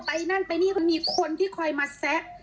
นั่นไปนี่มันมีคนที่คอยมาแซะ